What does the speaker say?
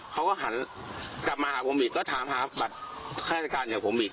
เขาก็หันกลับมาหาผมอีกก็ถามหาบัตรข้าราชการอย่างผมอีก